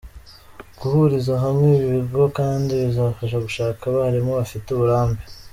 Guhuriza hamwe ibi bigo kandi bizabasha gushaka abalimu bafite uburambe.